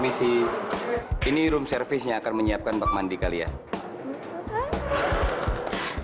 misi ini room service yang akan menyiapkan bak mandi kalian